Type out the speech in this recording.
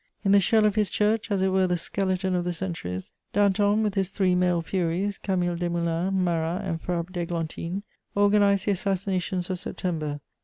In the shell of his church, as it were the skeleton of the centuries, Danton, with his three male furies, Camille Desmoulins, Marat, and Fabre d'Églantine, organized the assassinations of September.